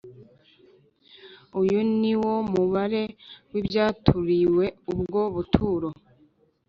Uyu ni wo mubare w ibyaturiwe ubwo buturo